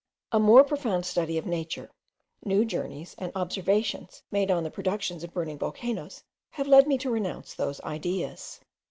A more profound study of nature, new journeys, and observations made on the productions of burning volcanoes, have led me to renounce those ideas.